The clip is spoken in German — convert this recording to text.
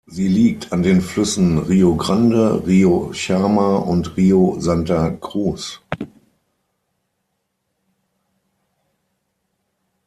Sie liegt an den Flüssen Rio Grande, Rio Chama und Rio Santa Cruz.